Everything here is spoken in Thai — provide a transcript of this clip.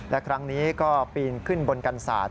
และครั้งนี้ก็ปีนขึ้นบนกันศาสต